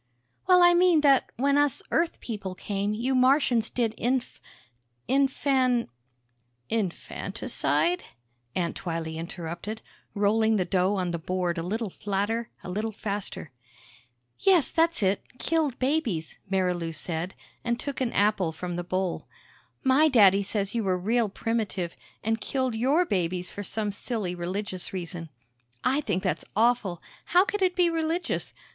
"Well, I mean, that when us Earth people came, you Martians did inf ... infan ..." "Infanticide?" Aunt Twylee interrupted, rolling the dough on the board a little flatter, a little faster. "Yes, that's it killed babies," Marilou said, and took an apple from the bowl. "My daddy says you were real primitive, an' killed your babies for some silly religious reason. I think that's awful! How could it be religious?